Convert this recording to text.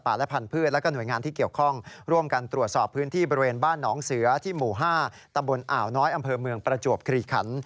อ่าน้อยอำเภอเมืองประจวบคลีขัน